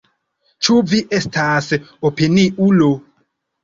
Ĉu vi estas opiniulo?